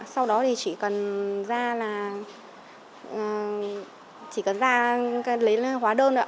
sau đó thì chỉ cần ra là chỉ cần ra lấy hóa đơn ạ